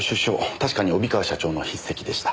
確かに帯川社長の筆跡でした。